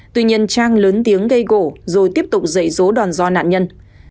tuy nhiên trang lớn tiếng gây gỗ rồi tiếp tục dậy dỗ đòn ro nạn nhân